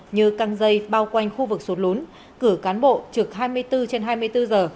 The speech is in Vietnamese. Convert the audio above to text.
như căng dây bao quanh khu vực sụt lún cử cán bộ trực hai mươi bốn trên hai mươi bốn giờ